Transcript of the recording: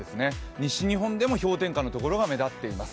西日本でも氷点下のところが目立っています。